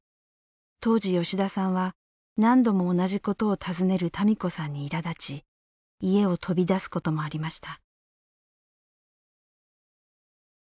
当時、吉田さんは何度も同じことを尋ねる多美子さんにいらだち家を飛び出すこともありました。